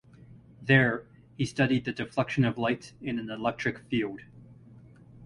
There he studied the deflection of light in an electric field.